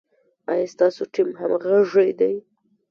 ایا ستاسو ټیم همغږی دی؟